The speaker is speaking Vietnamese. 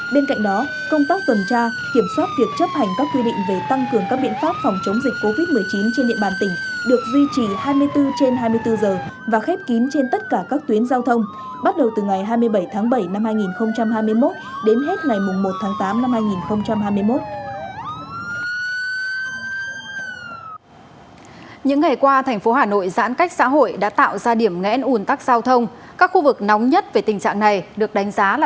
bên cạnh đó công tác tuần tra kiểm soát việc chấp hành các quy định về tăng cường các biện pháp phòng chống dịch covid một mươi chín